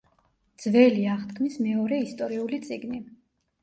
ძველი აღთქმის მეორე ისტორიული წიგნი.